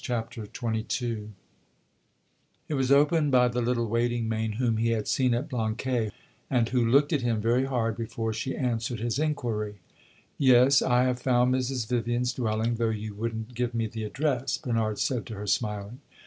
CHAPTER XXII It was opened by the little waiting maid whom he had seen at Blanquais, and who looked at him very hard before she answered his inquiry. "You see I have found Mrs. Vivian's dwelling, though you would n't give me the address," Bernard said to her, smiling.